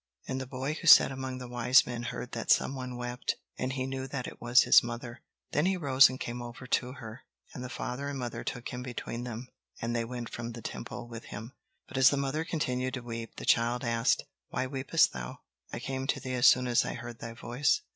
And the boy who sat among the wise men heard that some one wept, and he knew that it was his mother. Then he rose and came over to her, and the father and mother took him between them and went from the Temple with him. But as the mother continued to weep, the child asked: "Why weepest thou? I came to thee as soon as I heard thy voice."